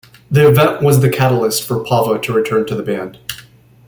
The event was the catalyst for Pava to return to the band.